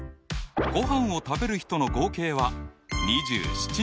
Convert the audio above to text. ごはんを食べる人の合計は２７人。